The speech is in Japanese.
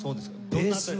ベースを。